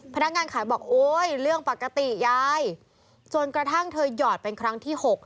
พนักงานขายบอกว่าเรื่องปกติยายส่วนกระทั่งเธอยอดที่๖